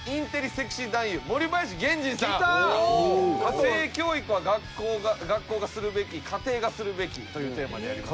「性教育は学校がするべき家庭がするべき」というテーマでやります。